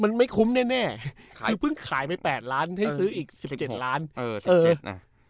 มันไม่คุ้มแน่แน่ค่ะคือเพิ่งขายไปแปดล้านให้ซื้ออีกสิบเจ็ดล้านเออเอออ่า